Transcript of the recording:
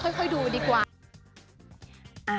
ค่อยดูดีกว่า